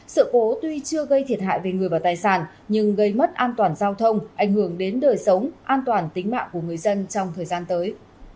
sự cố tuy chưa gây thiệt hại về người và tài sản nhưng gây mất an toàn giao thông ảnh hưởng đến đời sống an toàn tính mạng của người dân trong thời gian tới